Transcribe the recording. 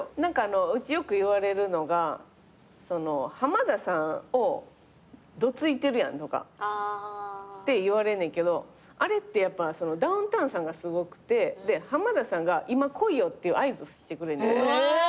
うちよく言われるのが「浜田さんをどついてるやん」って言われんねんけどあれってダウンタウンさんがすごくて浜田さんが「今来いよ」っていう合図をしてくれる。え！